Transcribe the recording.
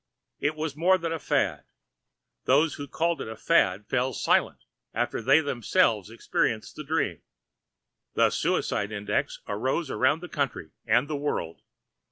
It was more than a fad. Those who called it a fad fell silent after they themselves experienced the dream. The suicide index arose around the country and the world.